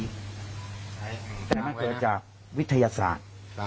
แต่มันเกิดจากวิทยาศาสตร์